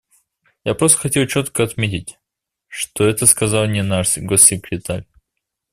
Я просто хотел четко отметить, что это сказал не наш госсекретарь.